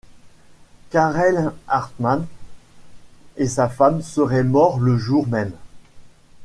Karel Hartmann et sa femme seraient morts le jour même.